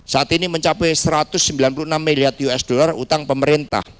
saat ini mencapai satu ratus sembilan puluh enam miliar usd utang pemerintah